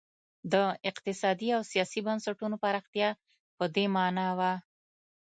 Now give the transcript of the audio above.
د اقتصادي او سیاسي بنسټونو پراختیا په دې معنا وه.